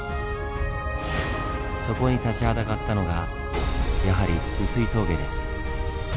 そこに立ちはだかったのがやはり碓氷峠です。